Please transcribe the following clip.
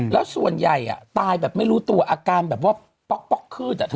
แล้วส่วนใหญ่อ่ะตายแบบไม่รู้ตัวอาการแบบว่าป๊อกขึ้นอ่ะเธอ